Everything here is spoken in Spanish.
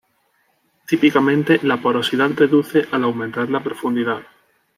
Típicamente la porosidad reduce al aumentar la profundidad.